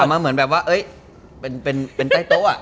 มาเหมือนแบบว่าเป็นใต้โต๊ะ